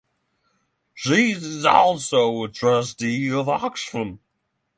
She is also a trustee of Oxfam.